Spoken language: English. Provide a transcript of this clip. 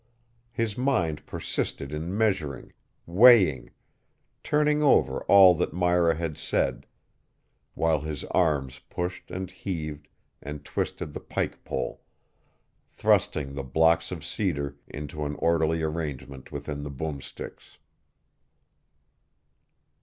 His mind persisted in measuring, weighing, turning over all that Myra had said, while his arms pushed and heaved and twisted the pike pole, thrusting the blocks of cedar into an orderly arrangement within the boom sticks.